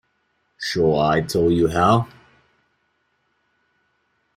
Shall I tell you how?